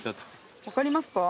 分かりますか？